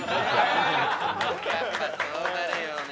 「やっぱそうなるよね」